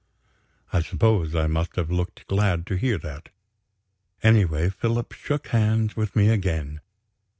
I suppose I must have looked glad to hear that. Anyway, Philip shook hands with me again.